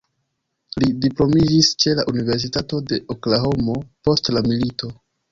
Li diplomiĝis ĉe la Universitato de Oklahomo post la milito.